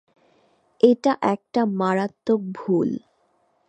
এটা একটা মারাত্মক ভুল।